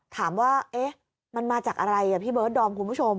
ถามว่ามันมาจากอะไรพี่เบิร์ดดอมคุณผู้ชม